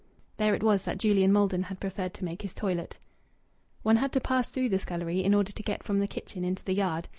There it was that Julian Maldon had preferred to make his toilet. One had to pass through the scullery in order to get from the kitchen into the yard.